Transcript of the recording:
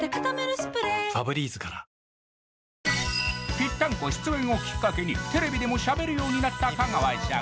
「ぴったんこ」出演をきっかけにテレビでも喋るようになった香川さん